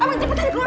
amang cepetan keluar